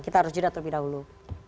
kita harus jeda terlebih dahulu